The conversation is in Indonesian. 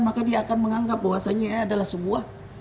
maka dia akan menganggap bahwasannya ini adalah sebuah